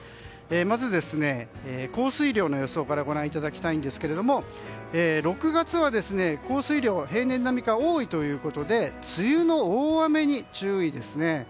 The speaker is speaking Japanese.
まず降水量の予想からご覧いただきたいんですけども６月は降水量は平年並みか多いということで梅雨の大雨に注意ですね。